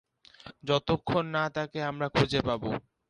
যতক্ষণ না তাকে আমরা খুঁজে পাবো।